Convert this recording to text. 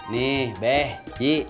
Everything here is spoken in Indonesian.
nih beh ji